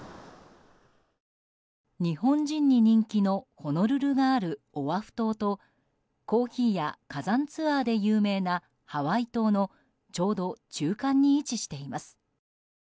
日本人に人気のホノルルがあるオアフ島とコーヒーや火山ツアーで有名なハワイ島のちょうど中間に位置しています。